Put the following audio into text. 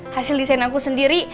hasil desain aku sendiri